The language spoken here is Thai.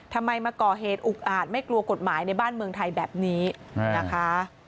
ทำไมมาก่อเหตุอุกอาจไม่กลัวกฎหมายในบ้านเมืองไทยแบบนี้นะคะ